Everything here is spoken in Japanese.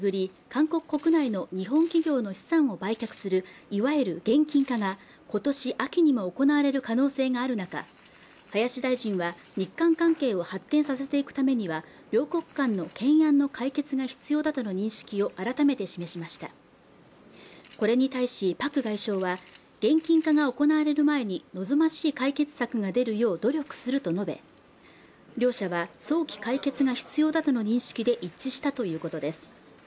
韓国国内の日本企業の資産を売却するいわゆる現金化が今年秋にも行われる可能性がある中林大臣は日韓関係を発展させていくためには両国間の懸案の解決が必要だとの認識を改めて示しましたこれに対しパク外相は現金化が行われる前に望ましい解決策が出るよう努力すると述べ両者は早期解決が必要だとの認識で一致したということです